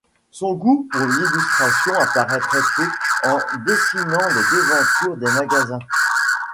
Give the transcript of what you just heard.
Son goût pour l'illustration apparaît très tôt en dessinant les devantures des magasins.